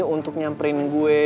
untuk nyamperin gue